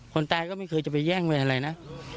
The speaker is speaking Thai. คนตายก็ไม่เคยจะไปแย่งไปอะไรนะ